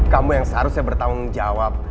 kamu yang seharusnya bertanggung jawab